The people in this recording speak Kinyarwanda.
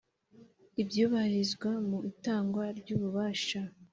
ibyubahirizwa mu itangwa ry’ububasha